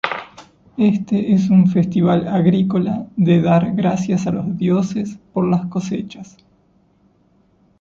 Este es un festival agrícola de dar gracias a los dioses por las cosechas.